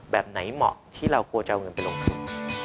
แบบไหนเหมาะที่เรากลัวจะเอาเงินไปลงทุน